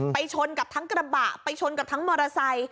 ชนกับทั้งกระบะไปชนกับทั้งมอเตอร์ไซค์